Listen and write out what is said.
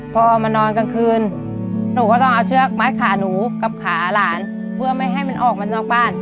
พอเอามานอนกลางคืนหนูก็ต้องเอาเชือกมัดขาหนูกับขาหลานเพื่อไม่ให้มันออกมานอกบ้าน